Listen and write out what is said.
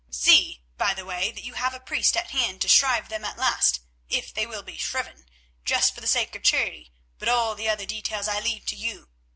See, by the way, that you have a priest at hand to shrive them at last, if they will be shriven, just for the sake of charity, but all the other details I leave to you.